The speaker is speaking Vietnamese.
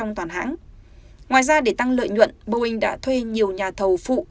ngoài ra để tăng lợi nhuận boeing đã thuê nhiều nhà thầu phụ